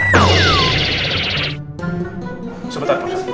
sebentar pak ustadz